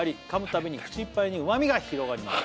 たびに口いっぱいにうまみが広がります